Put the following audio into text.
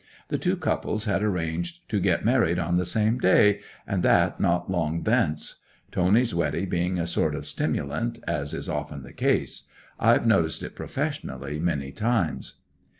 The two couples had arranged to get married on the same day, and that not long thence; Tony's wedding being a sort of stimulant, as is often the case; I've noticed it professionally many times.